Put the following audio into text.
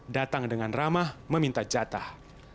datang dengan ramah meminta jatah